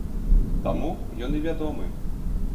Таму ён і вядомы.